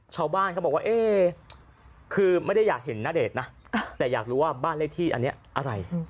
ชาวบ้านเขาบอกว่าเอ๊คือไม่ได้อยากเห็นณเดชน์นะแต่อยากรู้ว่าบ้านเลขที่อันนี้อะไร